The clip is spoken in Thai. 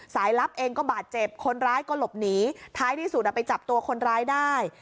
ลับเองก็บาดเจ็บคนร้ายก็หลบหนีท้ายที่สุดไปจับตัวคนร้ายได้